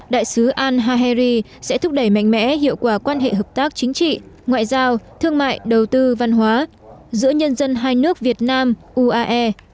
đại sứ al haheri sẽ thúc đẩy mạnh mẽ hiệu quả quan hệ hợp tác chính trị ngoại giao thương mại đầu tư văn hóa giữa nhân dân hai nước việt nam uae